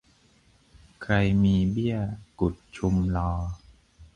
ใครมีเบี้ยกุดชุมลอ